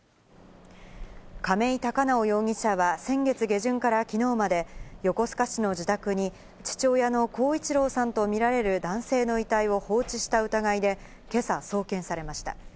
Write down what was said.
亀井孝直容疑者は先月下旬からきのうまで、横須賀市の自宅に、父親の孝一郎さんと見られる男性の遺体を放置した疑いで、けさ、送検されました。